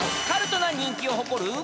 ［カルトな人気を誇る］